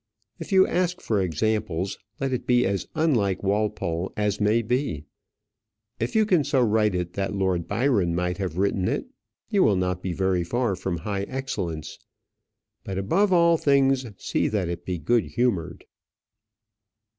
If you ask for examples, let it be as unlike Walpole as may be. If you can so write it that Lord Byron might have written it, you will not be very far from high excellence. But, above all things, see that it be good humoured.